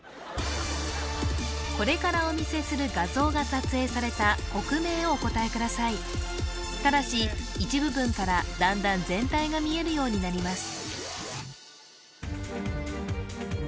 これからお見せする画像がお答えくださいただし一部分から段々全体が見えるようになります